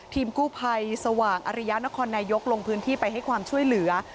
ทีมกู้ภัยสว่างอริยะนครนายกลงพื้นที่ไปให้ความช่วยเหลือ